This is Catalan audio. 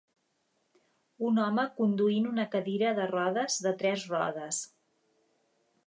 Un home conduint una cadira de rodes de tres rodes.